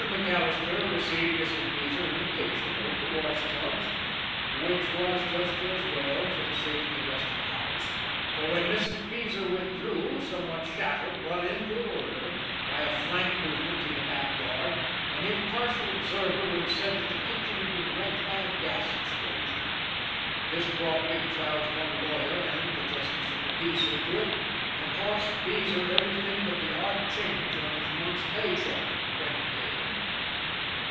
MacAllister received Mrs. Beezer in the kitchen over the washtubs, which was just as well for the sake of the rest of the house, for when Mrs. Beezer withdrew, somewhat shattered, but in good order, by a flank movement through the back yard, an impartial observer would have said that the kitchen had been wrecked by a gas explosion. This brought Big Cloud's one lawyer and the Justice of the Peace into it, and cost Beezer everything but the odd change on his month's pay check when it came.